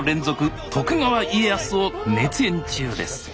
徳川家康を熱演中です！